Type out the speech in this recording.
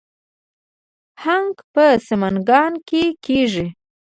هنګ په سمنګان کې کیږي